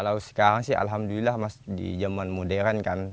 kalau sekarang sih alhamdulillah mas di zaman modern kan